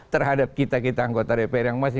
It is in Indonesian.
terhadap kita kita anggota dpr yang masih